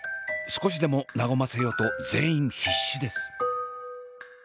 少しでも和ませようと全員必死です。